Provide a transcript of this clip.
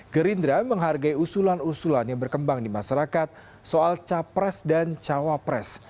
gerindra menghargai usulan usulan yang berkembang di masyarakat soal capres dan cawapres